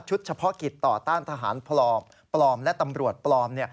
เฉพาะกิจต่อต้านทหารปลอมปลอมและตำรวจปลอม